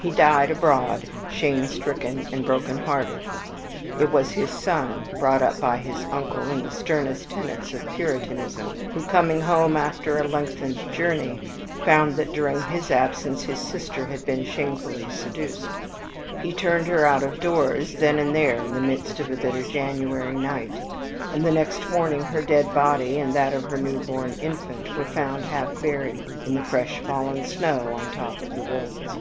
He died abroad, shame stricken and broken hearted. It was his son, brought up by his uncle in the sternest tenets of Puritanism, who, coming home after a lengthened journey, found that during his absence his sister had been shamefully seduced. He turned her out of doors, then and there, in the midst of a bitter January night, and the next morning her dead body and that of her new born infant were found half buried in the fresh fallen snow on the top of the wolds.